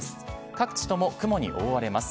各地とも雲に覆われます。